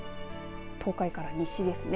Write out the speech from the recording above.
東海から西ですね。